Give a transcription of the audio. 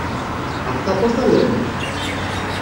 αυτά, πώς τα λένε.